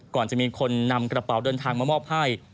ก่อนจะมีคนนำกระเป๋าเดินทางมามอบให้